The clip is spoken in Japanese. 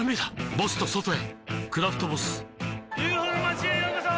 ボスと外へ「クラフトボス」ＵＦＯの町へようこそ！